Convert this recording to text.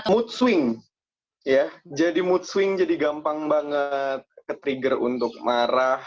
mood swing ya jadi mood swing jadi gampang banget ke trigger untuk marah